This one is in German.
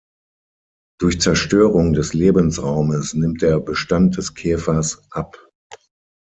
Durch Zerstörung des Lebensraumes nimmt der Bestand des Käfers ab.